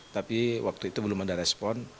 tapi waktu itu belum ada respon